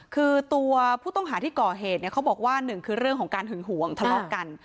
คือตัวผู้ต้องหาที่ก่อเหตุเนี่ยเขาบอกว่าหนึ่งคือเรื่องของการหึงหวงทะเลาะกัน